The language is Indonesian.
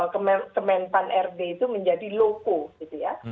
kementerian pan rd itu menjadi loko gitu ya